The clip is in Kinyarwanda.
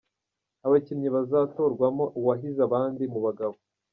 Abakinnyi bazatorwamo uwahize abandi mu Bagabo.